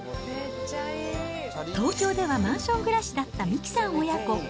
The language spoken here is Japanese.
東京ではマンション暮らしだった三木さん親子。